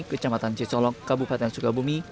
kecamatan cicolok kabupaten sukabumi